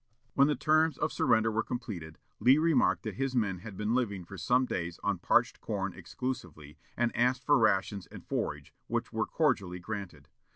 When the terms of surrender were completed, Lee remarked that his men had been living for some days on parched corn exclusively, and asked for rations and forage, which were cordially granted.